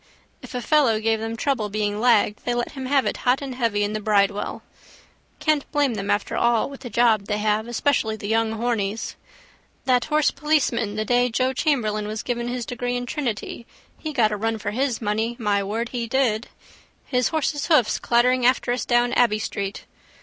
If a fellow gave them trouble being lagged they let him have it hot and heavy in the bridewell. Can't blame them after all with the job they have especially the young hornies. That horsepoliceman the day Joe Chamberlain was given his degree in Trinity he got a run for his money. My word he did! His horse's hoofs clattering after us down Abbey street.